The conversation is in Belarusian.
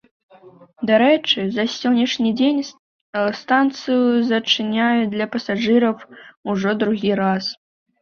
Дарэчы, за сённяшні дзень станцыю зачыняюць для пасажыраў ужо другі раз.